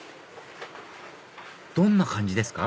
どんな感じですか？